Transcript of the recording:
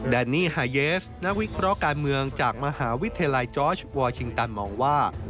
แดนนี่ฮาเยสนักวิเคราะห์การเมืองจากมหาวิทยาลัยจอร์ชวอร์ชิงตันมองว่า